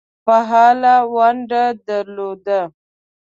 فعاله ونډه درلوده.